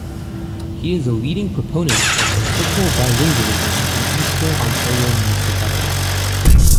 He is a leading proponent of official bilingualism in Eastern Ontario municipalities.